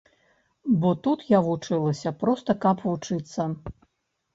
Бо тут я вучылася, проста каб вучыцца.